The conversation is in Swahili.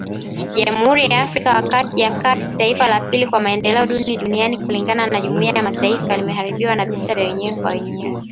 Jamhuri ya Afrika ya kati, taifa la pili kwa maendeleo duni duniani kulingana na Jumuiya ya mataifa limeharibiwa na vita vya wenyewe kwa wenyewe.